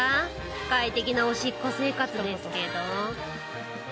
快適なおしっこ生活ですけど。